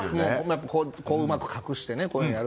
うまく隠して、こういうのをやる。